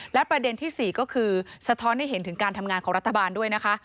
และประเด็นที่๔ก็คือสะท้อนให้เห็นถึงการทำงานของรัฐบาลด้วยนะคะ